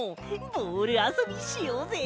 ボールあそびしようぜ！